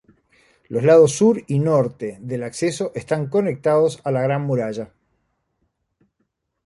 Los lados sur y norte del de acceso están conectados a la Gran Muralla.